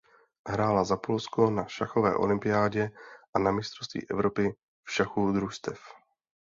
Hrála za Polsko na šachové olympiádě a na mistrovství Evropy v šachu družstev.